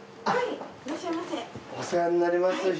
あっお世話になります。